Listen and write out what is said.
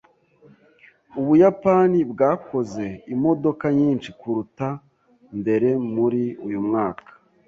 Ubuyapani bwakoze imodoka nyinshi kuruta mbere muri uyu mwaka.